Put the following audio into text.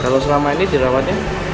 kalau selama ini dirawatnya